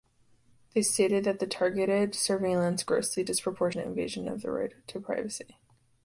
They stated that the targeted surveillance "grossly disproportionate invasion of the right to privacy".